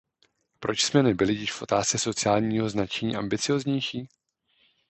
Proč jsme nebyli již v otázce sociálního značení ambicióznější?